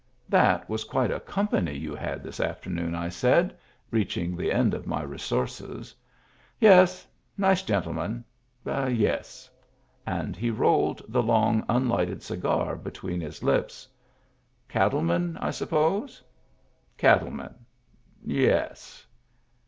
" That was quite a company you had this after noon," I said, reaching the end of my resources. " Yes. Nice gentlemen. Yes." And he rolled the long, unlighted cigar between his lips. " Cattlemen, I suppose ?"" Cattlemen. Yes."